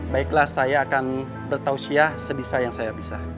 baiklah saya akan bertausia sebisa yang saya bisa